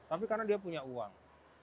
tapi karena dia punya uang